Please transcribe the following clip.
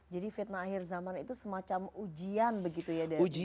jadi fitnah akhir zaman itu semacam ujian begitu ya dari umat manusia